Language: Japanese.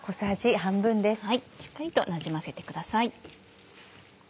しっかりとなじませてください。